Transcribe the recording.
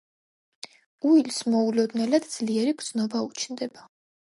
უილს მოულოდნელად ძლიერი გრძნობა უჩნდება.